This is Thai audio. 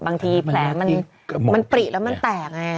บางทีแผลมันปริแล้วมันแตกไง